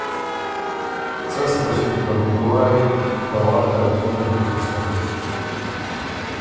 څۀ سو غؤݭِن که بهګوړا یِن، که وار کَۀ جنګ اِر دی تِشتکِن۔